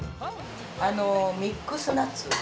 ミックスナッツ。